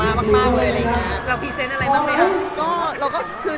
เราเปครีเซนต์อะไรมากมาย